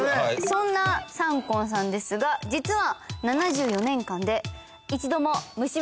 そんなサンコンさんですが実は。